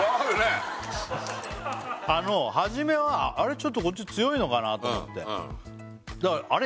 初めはあれちょっとこっち強いのかな？と思ってあれ？